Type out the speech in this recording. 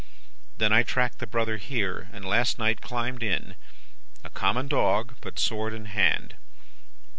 Then, I tracked the brother here, and last night climbed in a common dog, but sword in hand.